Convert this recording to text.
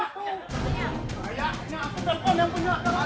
jangan lupa jangan lupa